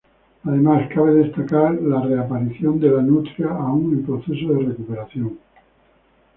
Además, cabe destacar la reaparición de la nutria aun en proceso de recuperación.